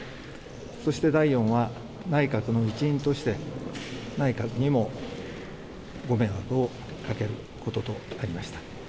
そして、第４は内閣の一員として内閣にも、ご迷惑をかけることとなりました。